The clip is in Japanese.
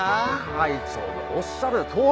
会長のおっしゃるとおり。